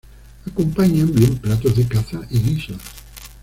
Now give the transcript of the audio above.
Acompañan bien platos de caza y guisos.